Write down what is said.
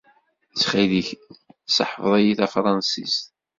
Ttxil-k, seḥfeḍ-iyi tafransist.